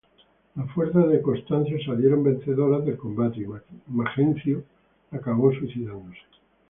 Las fuerzas de Constancio salieron vencedoras del combate, y Magnencio acabó suicidándose.